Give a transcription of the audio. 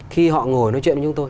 khi họ ngồi nói chuyện với chúng tôi